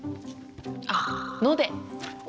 おっ「ので」